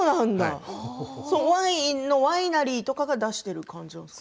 ワインのワイナリーが出してる感じ